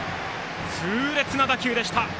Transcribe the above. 痛烈な打球でした。